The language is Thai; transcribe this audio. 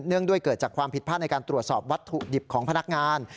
ด้วยเกิดจากความผิดพลาดในการตรวจสอบวัตถุดิบของพนักงาน